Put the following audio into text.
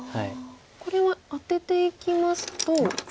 これはアテていきますと。